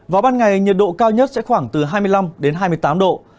vào ban ngày nhiệt độ cao nhất sẽ khoảng từ hai mươi năm đến hai mươi tám độ